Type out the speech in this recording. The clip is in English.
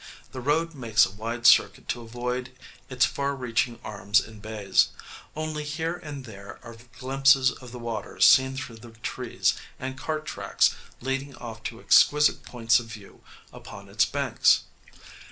The road makes a wide circuit to avoid its far reaching arms and bays: only here and there are glimpses of the water seen through the trees and cart tracks leading off to exquisite points of view upon its banks.